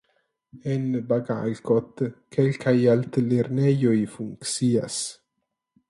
En Bagalkot kelkaj altlernejoj funkcias.